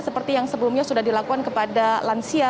seperti yang sebelumnya sudah dilakukan kepada lansia